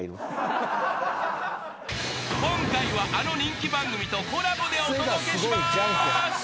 ［今回はあの人気番組とコラボでお届けします］